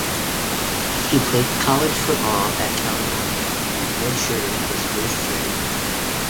He played college football at California and redshirted his first year.